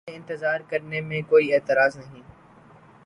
مجھے اِنتظار کرنے میں کوئی اعتراض نہیں ہے۔